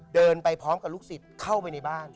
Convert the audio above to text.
เดินไปพร้อมกับลูกศิษย์เข้าไปในบ้าน